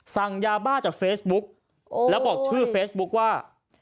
สั่งยาบ้าจากเฟซบุ๊กแล้วบอกชื่อเฟซบุ๊คว่า